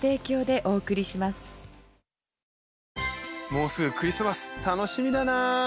もうすぐクリスマス楽しみだな！